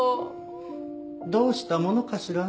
どうしたものかしらね。